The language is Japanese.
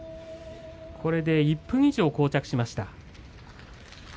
これで１分以上、相撲がこう着しました。